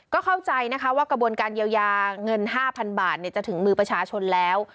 ก็เข้าใจนะคะว่ากระบวนการเยียวยาเงิน๕๐๐๐บาทจะถึงมือประชาชนแล้ว